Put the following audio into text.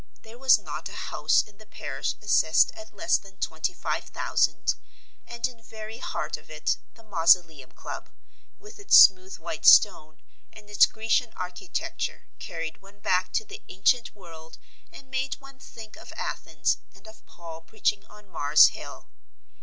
There was not a house in the parish assessed at less than twenty five thousand, and in very heart of it the Mausoleum Club, with its smooth white stone and its Grecian architecture, carried one back to the ancient world and made one think of Athens and of Paul preaching on Mars Hill.